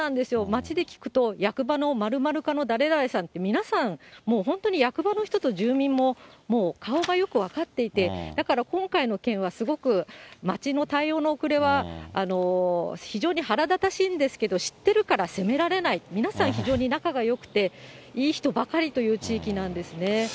町で聞くと、役場の○○課の誰々さんって、皆さん、もう本当に役場の人と住民も、もう顔がよく分かっていて、だから今回の件は、すごく町の対応の遅れは、非常に腹立たしいんですけど、知ってるから責められない、皆さん、非常に仲がよくて、いい人ばかりという地域なんですね。